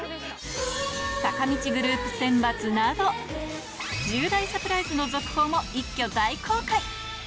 坂道グループ選抜など、１０大サプライズの続報も一挙大公開！